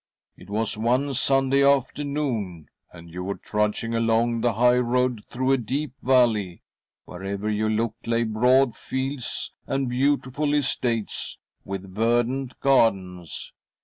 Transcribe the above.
" It was one Sunday after noon, and you were trudging along the high road through a deep valley ; wherever you looked lay broad fields and beautiful estates with verdant gardens.